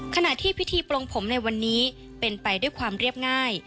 ขณะที่พิธีปลงผมในวันนี้เป็นไปด้วยความเรียบง่าย